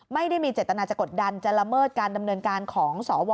ไม่ได้มีเจตนาจะกดดันจะละเมิดการดำเนินการของสว